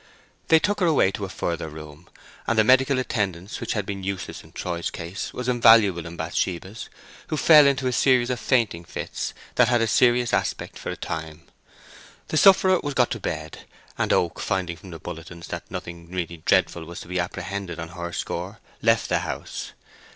They took her away into a further room, and the medical attendance which had been useless in Troy's case was invaluable in Bathsheba's, who fell into a series of fainting fits that had a serious aspect for a time. The sufferer was got to bed, and Oak, finding from the bulletins that nothing really dreadful was to be apprehended on her score, left the house.